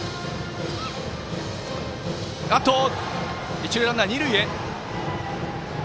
一塁ランナー、二塁へ！